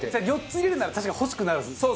４つ入れるなら確かに欲しくなるんです。